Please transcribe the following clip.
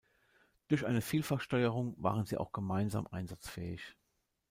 Durch eine Vielfachsteuerung waren sie auch gemeinsam einsatzfähig.